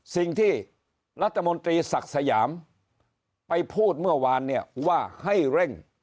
สิ่งที่รัฐมนตรีศักดิ์สยามไปพูดเมื่อวานเนี่ยว่าให้เร่ง